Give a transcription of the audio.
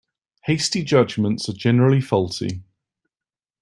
Hasty judgements are generally faulty.